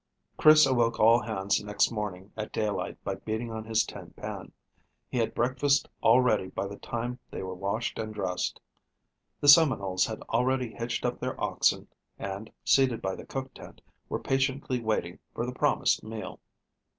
Chris awoke all hands next morning at daylight by beating on a tin pan. He had breakfast all ready by the time they were washed and dressed. The Seminoles had already hitched up their oxen, and, seated by the cook tent, were patiently waiting for the promised meal.